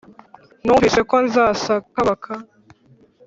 Numvise ko za Sakabaka